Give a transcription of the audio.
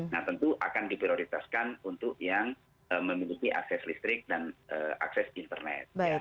nah tentu akan diprioritaskan untuk yang memiliki akses listrik dan akses internet